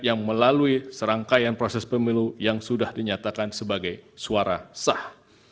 yang melalui serangkaian proses pemilu yang sudah dinyatakan sebagai suara sah